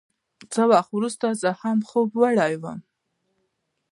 څه وخت وروسته زه هم خوب وړی وم.